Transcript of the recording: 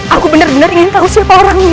aku benar benar ingin tahu siapa orangnya